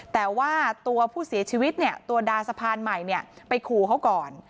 แต่ว่าตัวผู้เสียชีวิตเนี่ยตัวดาสะพานใหม่ไปขู่เขาก่อน